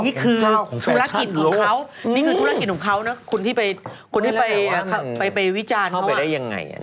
นี่คือธุรกิจของเขานะคนที่ไปวิจารณ์เขาไปได้ยังไง